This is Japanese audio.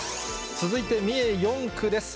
続いて、三重４区です。